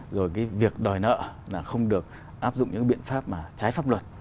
rồi cái việc đòi nợ là không được áp dụng những biện pháp mà trái pháp luật